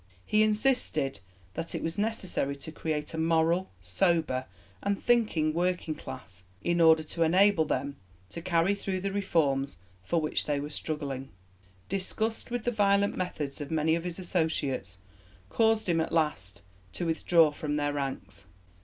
He insisted that it was necessary to create a moral, sober, and thinking working class in order to enable them to carry through the reforms for which they were struggling. Disgust with the violent methods of many of his associates caused him at last to withdraw from their ranks.